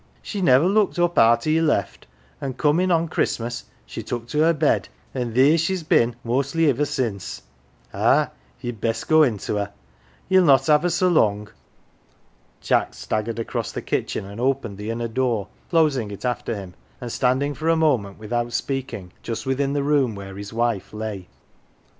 She never looked up arter ye left, an' com in' on Christmas she took to her bed, an' theer's she's been mostly iver since. Ah, ye'd best go in to her, ye'll not have her so long." Jack staggered across the kitchen and opened the inner door, closing it after him, and standing for a moment, without speaking, just within the room where his wife lay.